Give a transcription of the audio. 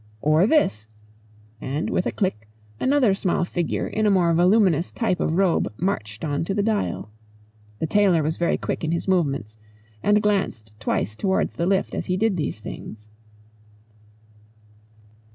"Or this," and with a click another small figure in a more voluminous type of robe marched on to the dial. The tailor was very quick in his movements, and glanced twice towards the lift as he did these things.